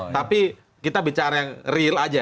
tapi kita bicara yang real aja